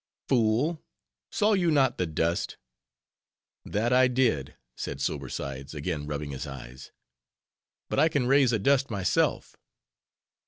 "Fool! saw you not the dust?" "That I did," said Sober Sides, again rubbing his eyes, "But I can raise a dust myself."